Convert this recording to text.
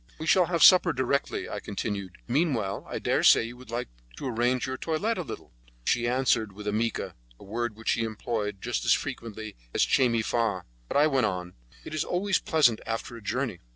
"We shall have supper directly," I continued. "Meanwhile, I dare say you would like to arrange your toilette a little?" She answered with a 'mica', a word which she employed just as frequently as 'Che me fa', but I went on: "It is always pleasant after a journey."